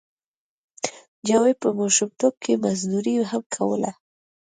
جاوید په ماشومتوب کې مزدوري هم کوله